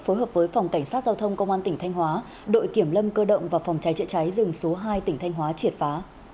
phối hợp với phòng cảnh sát giao thông công an tỉnh thanh hóa đội kiểm lâm cơ động và phòng cháy chữa cháy rừng số hai tỉnh thanh hóa triệt phá